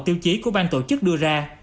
tiêu chí của bang tổ chức đưa ra